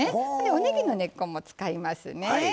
おねぎの根っこも使いますね。